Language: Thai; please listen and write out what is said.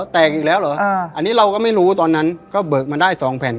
แตกอีกแล้วเหรออันนี้เราก็ไม่รู้ตอนนั้นก็เบิกมาได้๒แผ่น